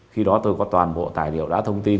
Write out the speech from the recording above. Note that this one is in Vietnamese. khi đó tôi có toàn bộ tài liệu đã thông tin